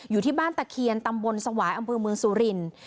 อยู่ที่บ้านตะเคียนตำบลสวายอำเภอเมืองสุรินทร์